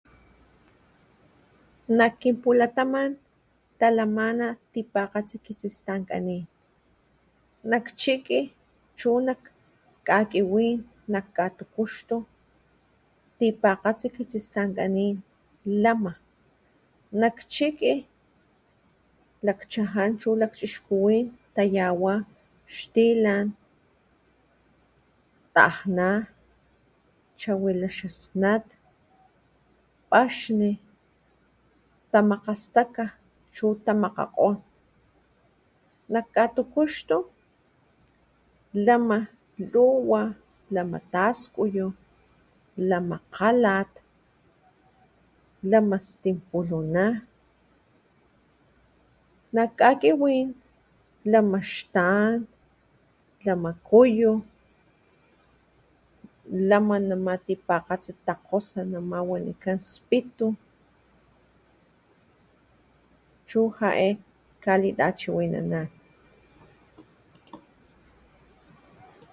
Nak kin pulataman tipakgatsi kitsistankanin nak chiki chu nak kaiwin, nak katukutu tipakkatsi kitsistankanin lama. nak chiki lakchajan chu lakchixkuwin tayawa xtilan, tajna, chawila xa snat, paxni ta makgastakga chu tamakgakgon. Nak katukuxtu lama luwa, taskuyu. kgalat, lama stinpuluna. nak kawinin lama xtan, lama kuyu, lama nama tipakgatsi ta kgosa nama wanikan spitu, chu jae kalitachiwinan